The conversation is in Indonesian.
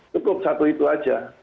cukup satu itu saja